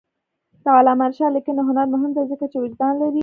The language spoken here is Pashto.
د علامه رشاد لیکنی هنر مهم دی ځکه چې وجدان لري.